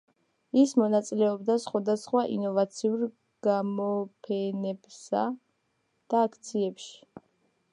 ის მონაწილეობდა სხვადასხვა ინოვაციურ გამოფენებსა და აქციებში.